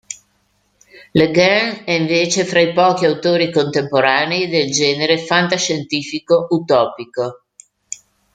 Le Guin è invece tra i pochi autori contemporanei del genere fantascientifico utopico.